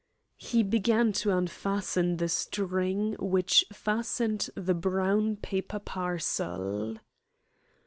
He began to unfasten the string which fastened the brown paper parcel.